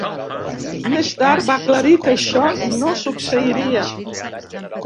Més tard, va aclarir que això no succeiria.